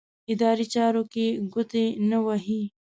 اداري چارو کې ګوتې نه وهي.